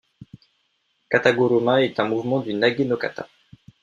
Kata-Guruma est un mouvement du Nage-no-kata.